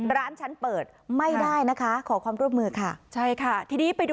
ร้านฉันเปิดไม่ได้นะคะขอความร่วมมือค่ะใช่ค่ะทีนี้ไปดู